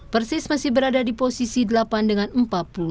persis masih berada di posisi delapan dengan empat puluh satu